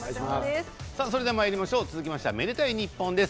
続きましては「愛でたいｎｉｐｐｏｎ」です。